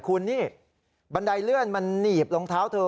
คุณนี่บันไดเลื่อนมันหนีบรองเท้าเธอ